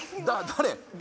誰？